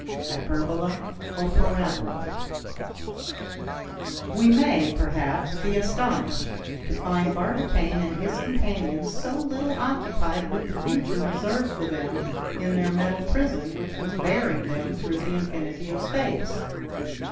HYPERBOLA OR PARABOLA We may, perhaps, be astonished to find Barbicane and his companions so little occupied with the future reserved for them in their metal prison which was bearing them through the infinity of space.